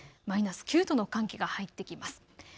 マイナス９度の寒気が入ってきます。